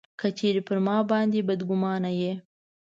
که چېرې پر ما باندي بدګومانه یې.